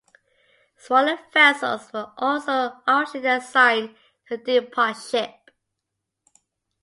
Smaller vessels were also officially assigned to a depot ship.